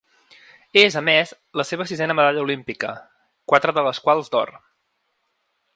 És, a més, la seva sisena medalla olímpica, quatre de les quals d’or.